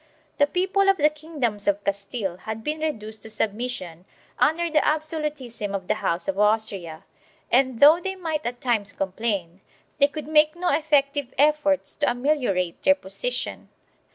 The people of the kingdoms of Castile had been reduced to submission under the absolutism of the House of Austria and, though they might at times com plain, they could make no effective efforts to ameliorate their position.